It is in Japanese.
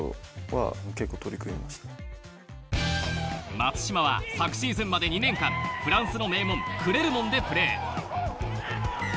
松島は昨シーズンまで２年間、フランスを名門・クレルモンでプレー。